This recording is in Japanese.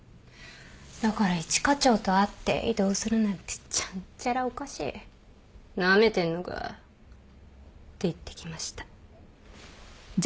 だから一課長と会って「異動するなんてちゃんちゃらおかしい」「なめてんのか」って言ってきました。